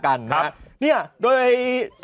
อันนี้คื